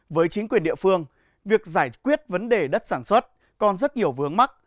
với chính quyền địa phương việc giải quyết vấn đề đất sản xuất còn rất nhiều vướng mắt